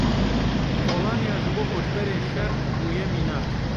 Polanya ji bo koçberên şer bûye mînak.